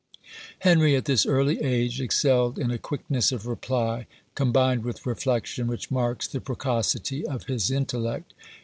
Henry, at this early age, excelled in a quickness of reply, combined with reflection, which marks the precocity of his intellect.